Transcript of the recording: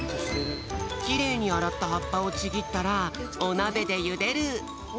きれいにあらったはっぱをちぎったらおなべでゆでる。